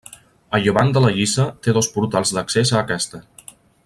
A llevant de la lliça té dos portals d'accés a aquesta.